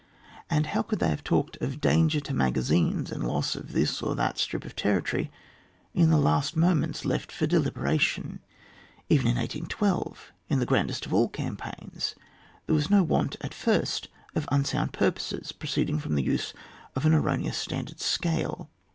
and how could they have talked of danger to magazines and loss of this or that strip of territory in the last moments left for deliberation ? Even in 1812, in that grandest of all campaigns, there was no want at first of unsound purposes proceeding from the use of an erroneous standard Scale.